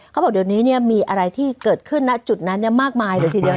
เขาบอกเดี๋ยวนี้มีอะไรที่เกิดขึ้นนะจุดนั้นมากมายเลยทีเดียว